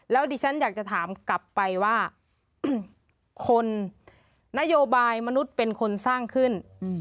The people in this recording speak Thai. แล้วดิฉันอยากจะถามกลับไปว่าคนนโยบายมนุษย์เป็นคนสร้างขึ้น